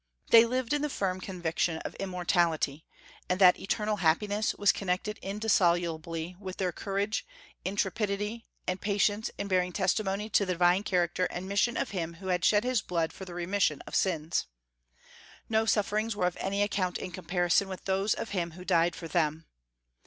They lived in the firm conviction of immortality, and that eternal happiness was connected indissolubly with their courage, intrepidity, and patience in bearing testimony to the divine character and mission of Him who had shed his blood for the remission of sins. No sufferings were of any account in comparison with those of Him who died for them.